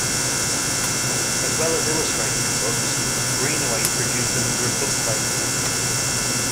As well as illustrating books Greenaway produced a number of bookplates.